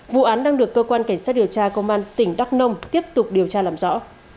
vụ án đang được cơ quan cảnh sát điều tra công an tỉnh đắk nông tiếp tục điều tra làm rõ